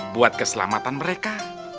buat keselamatan mereka